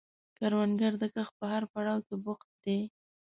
کروندګر د کښت په هر پړاو کې بوخت دی